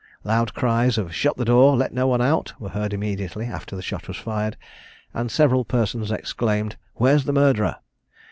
Loud cries of "Shut the door let no one out," were heard immediately after the shot was fired, and several persons exclaimed, "Where's the murderer?"